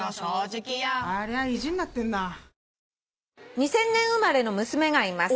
「２０００年生まれの娘がいます。